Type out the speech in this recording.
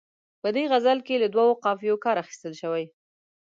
په دې غزل کې له دوو قافیو کار اخیستل شوی.